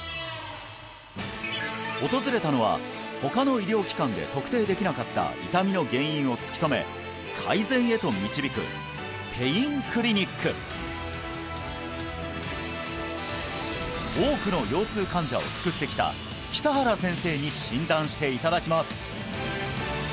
訪れたのは他の医療機関で特定できなかった痛みの原因を突き止め改善へと導くペインクリニック多くの腰痛患者を救ってきた北原先生に診断していただきます